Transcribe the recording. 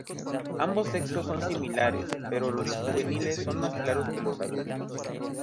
Ambos sexos son similares, pero los juveniles son más claros que los adultos.